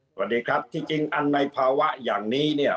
สวัสดีครับที่จริงอันในภาวะอย่างนี้เนี่ย